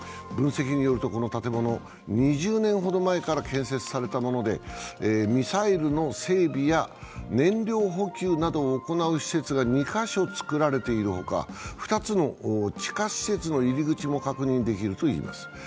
分析によるとこの建物、２０年ほど前から建設されたものでミサイルの整備や燃料補給などを行う施設が２カ所作られている他、２つの地下施設の入り口も確認できるといいます。